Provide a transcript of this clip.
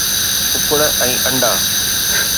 ڪڪڙ ۽ انڊا